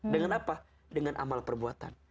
dengan apa dengan amal perbuatan